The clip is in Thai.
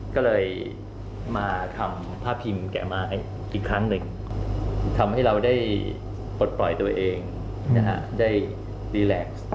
ก็เลยมาทำผ้าพิมพ์แก่ไม้อีกครั้งหนึ่งทำให้เราได้ปลดปล่อยตัวเองได้ดีแลกซ์